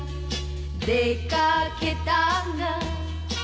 「出掛けたが」